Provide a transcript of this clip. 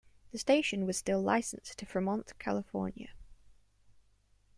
The station was still licensed to Fremont, California.